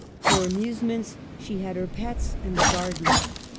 For amusements she had her pets and the garden.